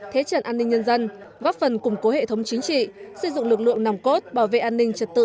thế trận an ninh nhân dân góp phần củng cố hệ thống chính trị xây dựng lực lượng nòng cốt bảo vệ an ninh trật tự